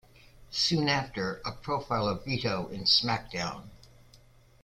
Soon after, a profile of Vito in SmackDown!